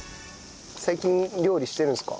最近料理してるんですか？